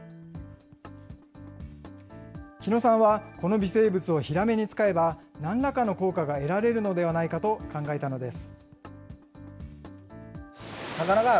木野さんは、この微生物をヒラメに使えば、なんらかの効果が得られるのではないかと考えたのです。